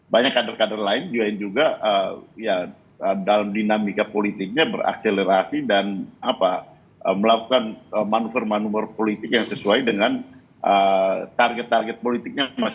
banyak kader kader lain juga yang juga ya dalam dinamika politiknya berakselerasi dan melakukan manuver manuver politik yang sesuai dengan target target politiknya